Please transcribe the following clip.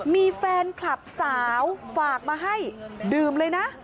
มีแฟนคลับสาวฝากมาให้ดื่มเลยนะ